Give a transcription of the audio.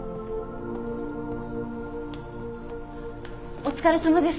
お疲れさまです。